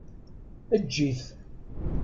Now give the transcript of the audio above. Eǧǧ-it!